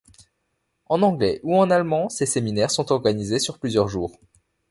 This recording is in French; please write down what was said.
En anglais ou en allemand, ces séminaires sont organisés sur plusieurs jours.